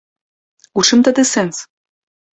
У чым тады сэнс?